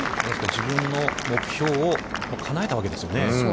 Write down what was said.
自分の目標をかなえたわけですね。